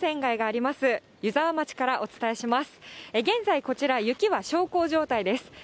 現在こちら、雪は小康状態です。